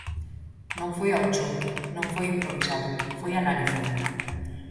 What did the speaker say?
Non foi ao chou, non foi improvisado, foi analizado.